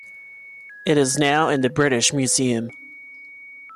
It is now in the British Museum.